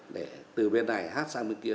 để từ bên này hát sang bên kia